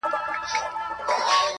• وي به درې کلنه ماته ښکاري میاشتنۍ -